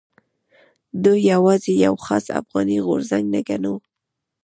دوی یوازې یو خاص افغاني غورځنګ نه ګڼو.